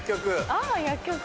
あぁ薬局。